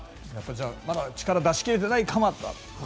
まだ力を出し切れていない鎌田だと。